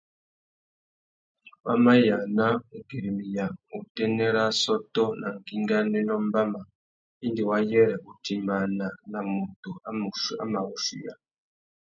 Wa mà yāna ugüirimiya utênê râ assôtô nà ngüinganénô mbama indi wa yêrê utimbāna nà mutu a mà wuchuiya.